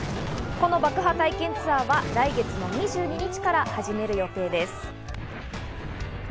この爆破体験ツアーは来月の２２日から始める予定です。